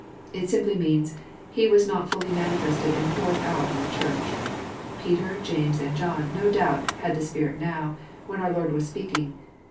It simply means " He was not fblly manifested and poared out on the Church." Peter, and James, and John, no doubt, had the Spirit now, when our Lord was speaking.